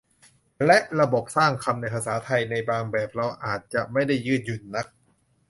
และระบบสร้างคำในภาษาไทยในบางแบบเราอาจจะไม่ได้ยืดหยุ่นนัก